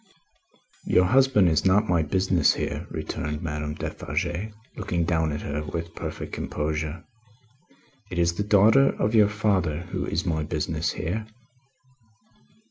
"Your husband is not my business here," returned Madame Defarge, looking down at her with perfect composure. "It is the daughter of your father who is my business here."